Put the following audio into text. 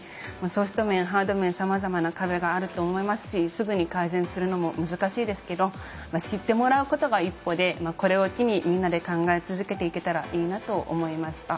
ソフト面ハード面さまざまな壁があると思いますしすぐに改善するのも難しいですけど知ってもらうことが一歩でこれを機にみんなで考え続けていけたらいいなと思いました。